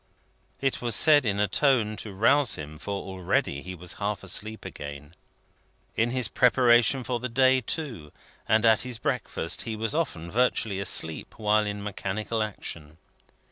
It was said in a tone to rouse him, for already he was half asleep again. In his preparation for the day, too, and at his breakfast, he was often virtually asleep while in mechanical action.